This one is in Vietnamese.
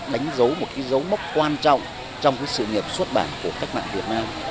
đánh dấu một cái dấu mốc quan trọng trong cái sự nghiệp xuất bản của cách mạng việt nam